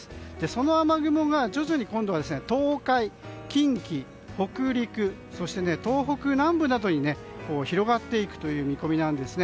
その雨雲が徐々に東海、近畿、北陸そして東北南部などに広がっていく見込みです。